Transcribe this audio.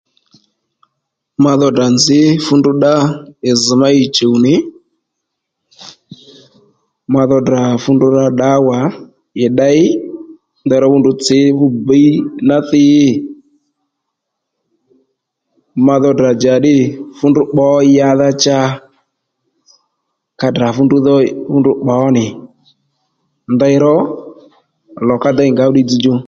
Ma dho tdrà nzǐ fú ndrǔ ddá ì zz̀ má ì chùw nì, ma dho tdrà fú ndrǔ rǎ ddǎwà ì ddey ndaní fú ndrǔ tsǐ fú bǐy ná thǐ, ma dho tdrà njǎddî fú ndrǔ pbǒ yadha cha ka tdrà fú ndru dhò fú pbǒ nì ndeyró lò ka dey ngǎ fú ddiy dzzdjú